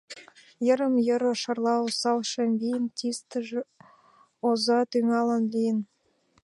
Йырым-йыр шарла осал шем вийын Тистыже, оза тӱнялан лийын.